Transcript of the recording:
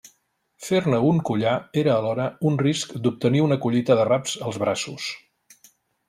Fer-ne un collar era alhora un risc d'obtenir una collita d'arraps als braços.